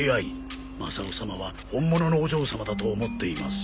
マサオ様は本物のお嬢様だとおもっています。